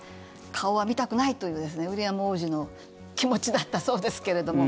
顔は見たくないというウィリアム王子の気持ちだったそうですけれども。